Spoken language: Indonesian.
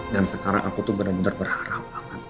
sekarang aku tuh benar benar berharap